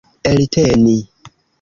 elteni